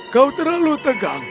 kau terlalu tegang